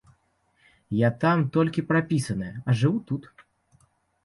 Я там толькі прапісаная, а жыву тут.